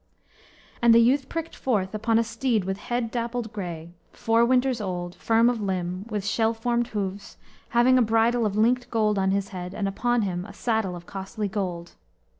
And the youth pricked forth upon a steed with head dappled gray, four winters old, firm of limb, with shell formed hoofs, having a bridle of linked gold on his head, and upon him a saddle of costly gold.